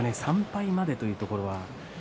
３敗までというところは。